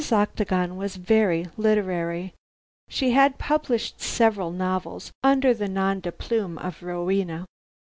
Octagon was very literary. She had published several novels under the nom de plume of "Rowena."